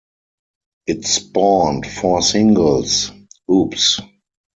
It spawned four singles-Oops!...